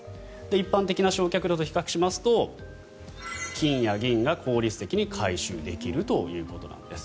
一般的な焼却炉と比較しますと金や銀が効率的に回収できるということなんです。